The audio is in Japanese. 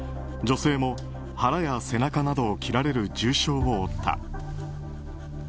女性も腹や背中などを切られる重傷を負った。